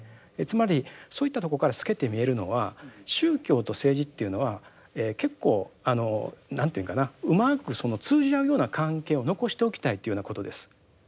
つまりそういったとこから透けて見えるのは宗教と政治っていうのは結構あの何て言うかなうまくその通じ合うような関係を残しておきたいっていうようなことです。